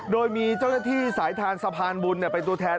โดยมีเจ้าหน้าที่สายทานสะพานบุญเป็นตัวแทน